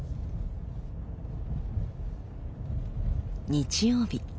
日曜日。